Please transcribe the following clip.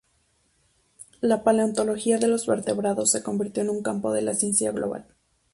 La paleontología de los vertebrados se convirtió en un campo de la ciencia global.